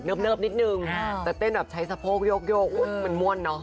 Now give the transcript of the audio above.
นิดนึงแต่เต้นแบบใช้สะโพกโยกมันม่วนเนอะ